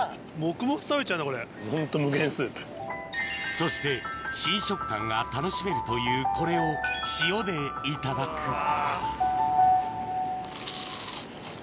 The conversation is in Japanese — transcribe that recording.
そして新食感が楽しめるというこれを塩でいただくうわ。